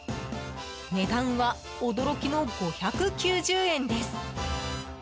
値段は驚きの５９０円です！